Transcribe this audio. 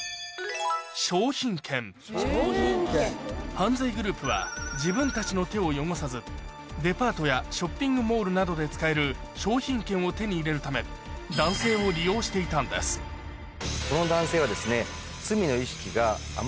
犯罪グループは自分たちの手を汚さずデパートやショッピングモールなどで使える商品券を手に入れるためこの男性は。